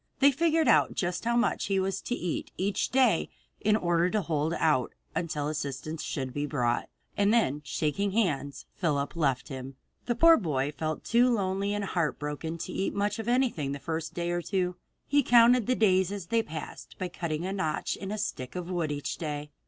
They figured out just how much he was to eat each day in order to hold out until assistance should be brought, and then shaking hands, Phillips left him. The poor boy felt too lonely and heartbroken to eat much of anything in the first day or two. He counted the days as they passed by cutting a notch in a stick of wood each day.